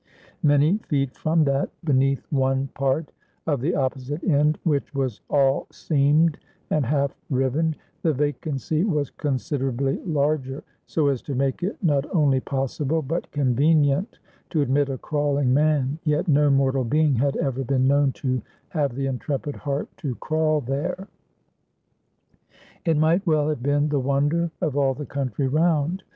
Many feet from that beneath one part of the opposite end, which was all seamed and half riven the vacancy was considerably larger, so as to make it not only possible, but convenient to admit a crawling man; yet no mortal being had ever been known to have the intrepid heart to crawl there. It might well have been the wonder of all the country round.